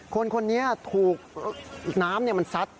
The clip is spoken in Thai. คนเนี้ยถูกน้ำเนี้ยมันซัด